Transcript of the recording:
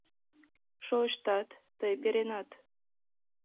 — Шойыштат, тый перенат...